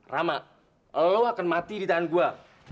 rahmat lo akan mati di tangan gue